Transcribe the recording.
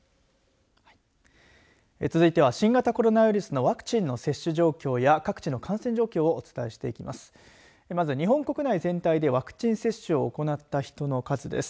続いては、新型コロナウイルスのワクチンの接種状況や各地の感染状況をお伝えしていきます。